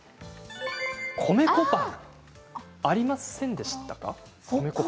米粉パン、ありませんでしたか？